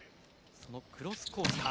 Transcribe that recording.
そのクロスコースか。